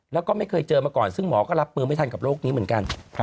แล้วก็ไม่เคยเจอมาก่อนซึ่งหมอก็รับมือไม่ทันกับโรคนี้เหมือนกัน